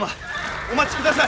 お待ちください！